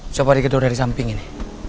coba di gedung dari samping ini